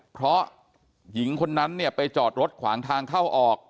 เพราะหญิงคนนั้นเนี่ยไปจอดรถขวางทางเข้าออก